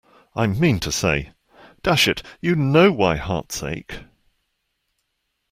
I mean to say — dash it, you know why hearts ache!